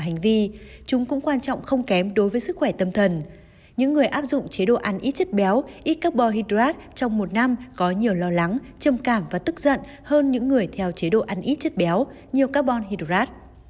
những người áp dụng chế độ ăn ít chất béo ít carbon hydrate trong một năm có nhiều lo lắng trầm cảm và tức giận hơn những người theo chế độ ăn ít chất béo nhiều carbon hydrate